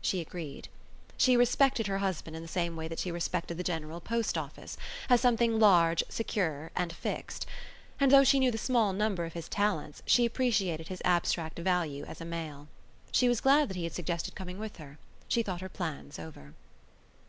She agreed. She respected her husband in the same way as she respected the General Post Office, as something large, secure and fixed; and though she knew the small number of his talents she appreciated his abstract value as a male. She was glad that he had suggested coming with her. She thought her plans over.